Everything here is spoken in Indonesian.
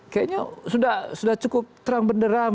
kayaknya sudah cukup terang benderang